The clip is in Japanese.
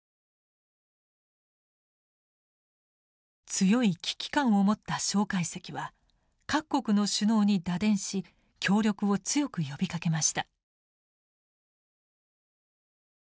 強い危機感を持った介石は各国の首脳に打電し協力を強く呼びかけました。